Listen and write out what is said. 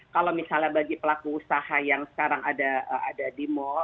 kalau misalnya bagi pelaku usaha yang sekarang ada di mal